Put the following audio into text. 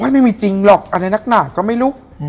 ไม่มีจริงหรอกอะไรนักหนาก็ไม่รู้